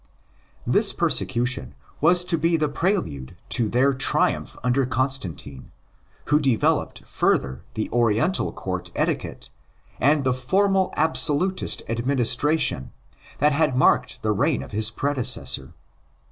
This persecution was to be the prelude to their triumph under Constantine ; who developed further the Oriental court etiquette and the formally absolutist administra tion that had marked the reign of his predecessor.